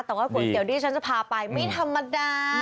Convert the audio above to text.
แต่ว่าก๋วยเตี๋ยวที่ฉันจะพาไปไม่ธรรมดา